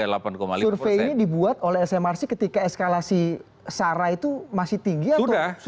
survei ini dibuat oleh smrc ketika eskalasi sara itu masih tinggi atau